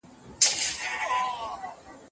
که ته رانه شې، نو زه به خفه شم.